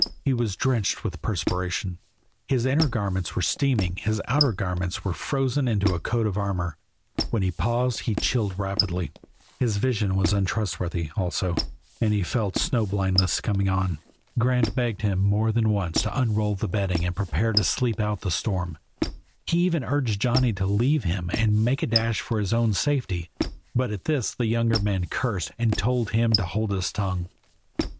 He was drenched with perspiration, his inner garments were steaming, his outer ones were frozen into a coat of armor; when he paused he chilled rapidly. His vision was untrustworthy, also, and he felt snow blindness coming on. Grant begged him more than once to unroll the bedding and prepare to sleep out the storm; he even urged Johnny to leave him and make a dash for his own safety, but at this the younger man cursed and told him to hold his tongue.